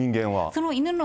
その犬の。